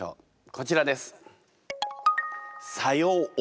こちらです。